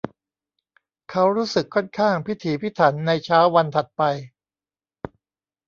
เขารู้สึกค่อนข้างพิถีพิถันในเช้าวันถัดไป